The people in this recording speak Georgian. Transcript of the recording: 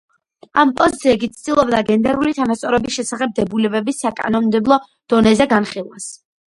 ამ პოსტზე, იგი ცდილობდა გენდერული თანასწორობის შესახებ დებულებების საკანონმდებლო დონეზე განხილვას.